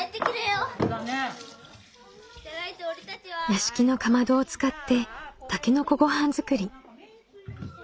屋敷のかまどを使ってたけのこごはん作り。